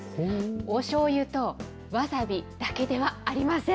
おしょうゆとわさびだけではありません。